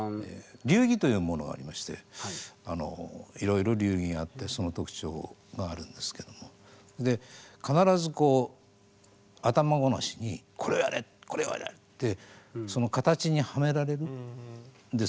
流儀というものがありましていろいろ流儀があってその特徴があるんですけども必ずこう頭ごなしにこれをやれこれをやれってその型にはめられるんですよ。